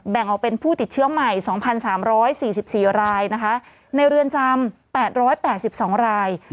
แบ่งออกเป็นผู้ติดเชื้อใหม่๒๓๔๔รายนะคะในเรือนจำ๘๘๒ราย